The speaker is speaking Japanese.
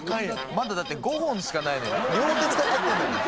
まだ５本しかないのに両手使っちゃってんだもん。